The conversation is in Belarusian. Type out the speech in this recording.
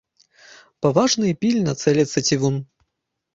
Паважна і пільна цэліцца цівун.